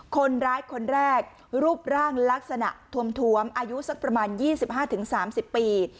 คนร้ายคนแรกรูปร่างลักษณะทวมอายุสักประมาณ๒๕๓๐ปี